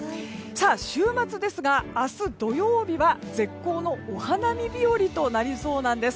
週末ですが明日土曜日は絶好のお花見日和となりそうです。